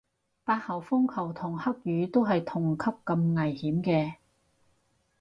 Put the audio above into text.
八號風球同黑雨都係同級咁危險嘅